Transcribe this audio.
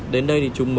đến đây thì chúng mới